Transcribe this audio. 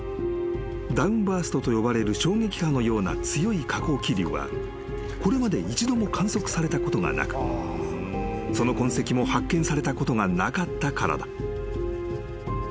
［ダウンバーストと呼ばれる衝撃波のような強い下降気流はこれまで一度も観測されたことがなくその痕跡も発見されたことがなかったからだ］